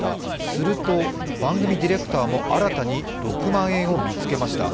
すると番組ディレクターも新たに６万円を見つけました。